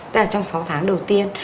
tức là trong sáu tháng đầu tiên